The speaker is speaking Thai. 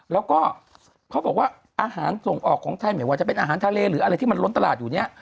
แล้วก็เขาบอกว่าอาหารส่งออกของไทยไม่ว่าจะเป็นอาหารทะเลหรืออะไรที่มันล้นตลาดอยู่เนี่ย